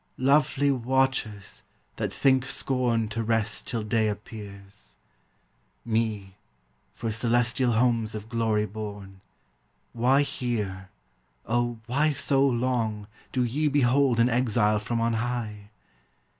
Lovely watchers, that think scorn To rest till day appears! Me, for celestial homes of glory born, Why here, O, why so long, Do ye behold an exile from on high?